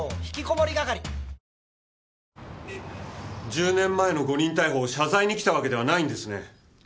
１０年前の誤認逮捕を謝罪に来たわけではないんですね？